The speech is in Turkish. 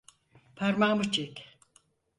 Parmağımı çek.